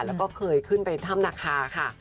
แล้วก็เคยขึ้นไปถ้ำนาคาค่ะ